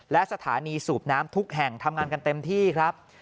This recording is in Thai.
และสถานีสูบน้ำทุกแห่งทำงานกันเต็มที่ครับ